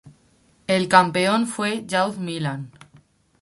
El campeón fue "Youth Milan".